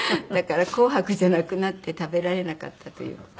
だから紅白じゃなくなって食べられなかったという。